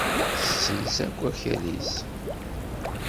Tessenz akk akal-is.